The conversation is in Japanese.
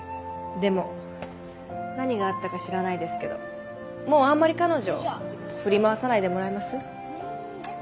でも何があったか知らないですけどもうあんまり彼女振り回さないでもらえます？